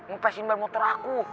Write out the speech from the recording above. ngepesin ban motor aku